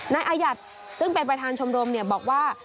นายอายัดซึ่งเป็นประธานชมรมบอกว่า